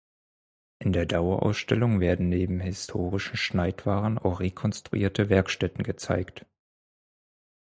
In der Dauerausstellung werden neben historischen Schneidwaren auch rekonstruierte Werkstätten gezeigt.